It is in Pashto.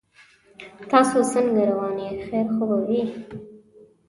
تاسو څنګه روان یې خیر خو به وي